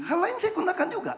hal lain saya gunakan juga